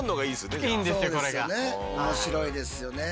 いいんですよ